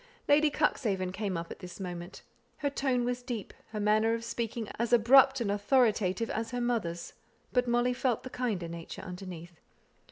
Lady Cuxhaven came up at this moment. Her tone was as deep, her manner of speaking as abrupt and authoritative, as her mother's, but Molly felt the kinder nature underneath.